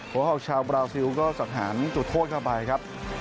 เห่าชาวบราซิลก็สังหารจุดโทษเข้าไปครับ